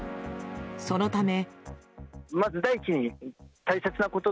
そのため。